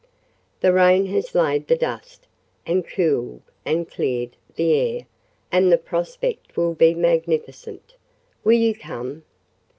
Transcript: "The rain has laid the dust, and cooled and cleared the air, and the prospect will be magnificent. Will you come?"